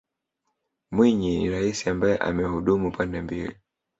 mwinyi ni raisi ambaye amehudumu pande mbili